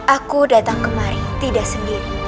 aku datang kemari tidak sendiri